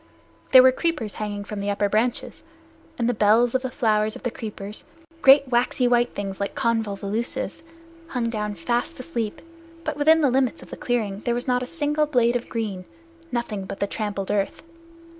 There were creepers hanging from the upper branches, and the bells of the flowers of the creepers, great waxy white things like convolvuluses, hung down fast asleep. But within the limits of the clearing there was not a single blade of green nothing but the trampled earth.